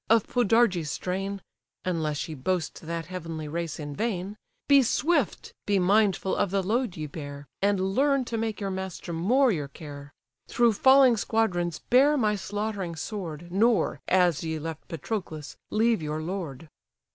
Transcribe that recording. of Podarges' strain, (Unless ye boast that heavenly race in vain,) Be swift, be mindful of the load ye bear, And learn to make your master more your care: Through falling squadrons bear my slaughtering sword, Nor, as ye left Patroclus, leave your lord."